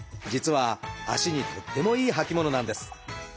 実は足にとってもいい履物なんです。